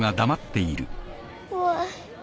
怖い。